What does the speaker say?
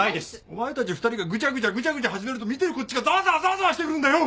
お前たち２人がぐちゃぐちゃぐちゃぐちゃ始めると見てるこっちがざわざわざわざわしてくるんだよ！